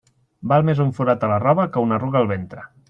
Val més un forat a la roba que una arruga al ventre.